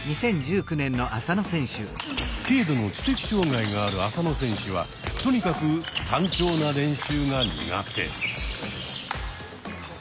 軽度の知的障害がある浅野選手はとにかく単調な練習が苦手。